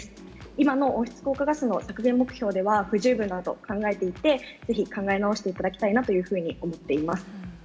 今の温室効果ガスの削減目標では不十分だと考えていて、ぜひ考え直していただきたいなというふうに思っています。